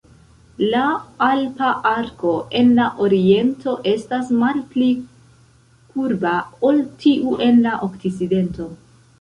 La alpa arko en la oriento estas malpli kurba ol tiu en la okcidento.